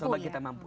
selagi kita mampu ya